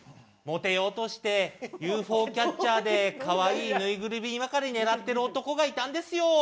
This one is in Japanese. モテようとしてＵＦＯキャッチャーでかわいい縫いぐるみばかり狙っている男がいたんですよ。